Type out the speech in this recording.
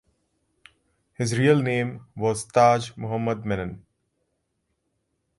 His real name was Taj Muhammad Memon.